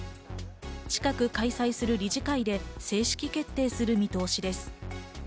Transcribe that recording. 近く開催する理事会で正式決定する見通しです。